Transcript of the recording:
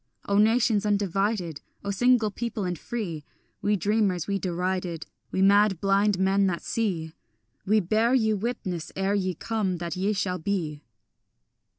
O nations undivided, O single people and free, We dreamers, we derided, We mad blind men that see, We bear you witness ere ye come that ye shall be.